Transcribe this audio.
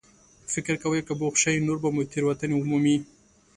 فکر کوئ که بوخت شئ، نور به مو تېروتنې ومومي.